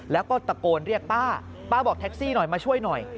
แล้วก็ตะโกนเรียกป้าป้าบอกแท็กซี่หน่อยมาช่วยหน่อย